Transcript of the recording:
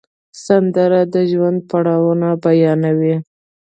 سندره د ژوند پړاوونه بیانوي